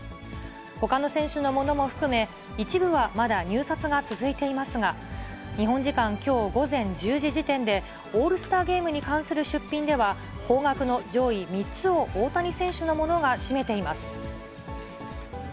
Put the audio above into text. ほかの選手のものも含め、一部はまだ入札が続いていますが、日本時間きょう午前１０時時点で、オールスターゲームに関する出品では、高額の上位３つを大谷選手のものが占めています。